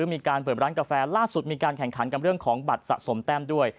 มีการเปิดร้านกาแฟล่าสุดมีการแข่งขันกับเรื่องของบัตรสะสมแต้มด้วย